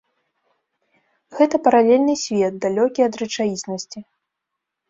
Гэта паралельны свет, далёкі ад рэчаіснасці.